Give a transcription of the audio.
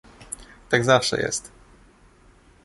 Tak zawsze jest